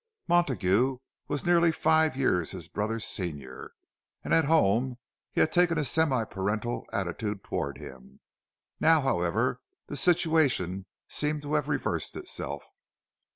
Montague was nearly five years his brother's senior, and at home had taken a semi paternal attitude toward him. Now, however, the situation seemed to have reversed itself.